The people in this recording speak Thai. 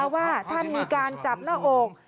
ว่าท่านมีการจับหน้าอก